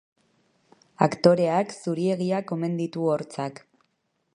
Aktoreak zuriegiak omen ditu hortzak.